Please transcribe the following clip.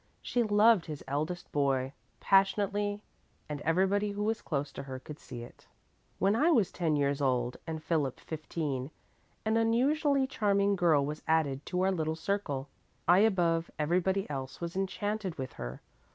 She loved his eldest boy passionately and everybody who was close to her could see it. "When I was ten years old and Philip fifteen, an unusually charming girl was added to our little circle. I above everybody else was enchanted with her.